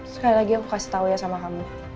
sekali lagi aku kasih tau ya sama kamu